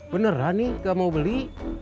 beneran nih gak mau beli